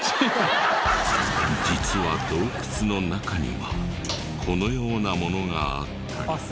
実は洞窟の中にはこのようなものがあったり。